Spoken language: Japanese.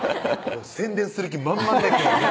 もう宣伝する気満々ですよね